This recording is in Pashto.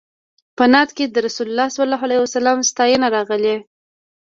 په نعت کې د رسول الله صلی الله علیه وسلم ستاینه راغلې.